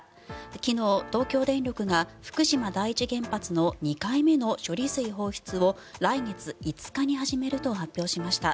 昨日、東京電力が福島第一原発の２回目の処理水放出を来月５日に始めると発表しました。